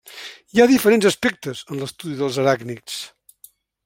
Hi ha diferents aspectes en l'estudi dels aràcnids.